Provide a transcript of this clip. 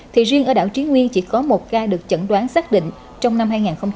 thì riêng ở đảo trí nguyên chỉ có một ca được chẩn đoán xác định trong năm hai nghìn hai mươi